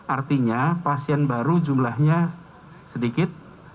artinya pasien baru jumlahnya sedikit